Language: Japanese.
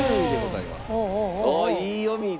いい読みだ。